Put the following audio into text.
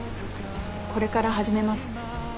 これから始めます。